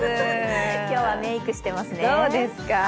今日はメイクしていますね。